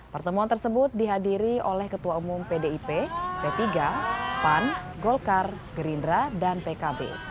pertemuan tersebut dihadiri oleh ketua umum pdip p tiga pan golkar gerindra dan pkb